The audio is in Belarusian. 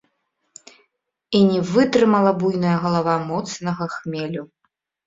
І не вытрымала буйная галава моцнага хмелю.